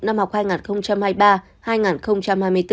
năm học hai nghìn hai mươi ba hai nghìn hai mươi bốn